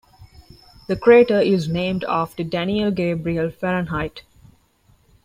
The crater is named after Daniel Gabriel Fahrenheit.